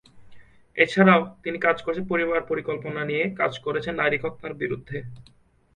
এছাড়াও, তিনি কাজ করেছেন পরিবার পরিকল্পনা নিয়ে, কাজ করেছেন নারী খৎনার বিরুদ্ধে।